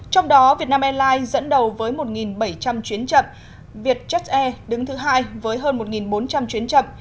trong đó vietnam airlines dẫn đầu với một bảy trăm linh chuyến chậm vietjet air đứng thứ hai với hơn một bốn trăm linh chuyến chậm